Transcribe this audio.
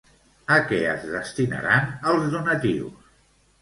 A què es destinaran els donatius?